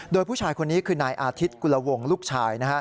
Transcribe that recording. โดยผู้ชายคนนี้คือนายอาทิตย์กุลวงลูกชาย